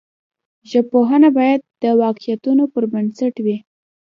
ژبپوهنه باید د واقعیتونو پر بنسټ وي.